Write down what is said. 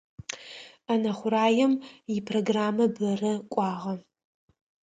Ӏэнэ хъураем ипрограммэ бэрэ кӏуагъэ.